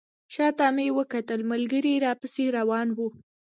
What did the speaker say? شاته مې وکتل ملګري راپسې روان وو.